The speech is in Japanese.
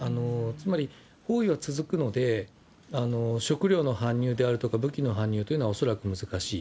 つまり、包囲は続くので、食料の搬入であるとか、搬入というのは恐らく難しい。